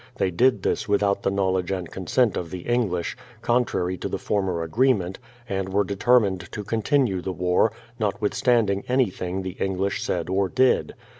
They did this without the knowledge and consent of the English, contrary to the former agreement, and were determined to continue the war, notwithstanding anything the English said or did.